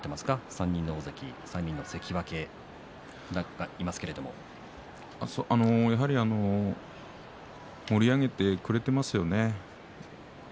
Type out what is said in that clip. ３人の大関、３人の関脇やはり盛り上げてくれていますよね。